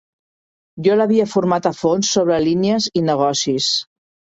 Jo l'havia format a fons sobre línies i negocis.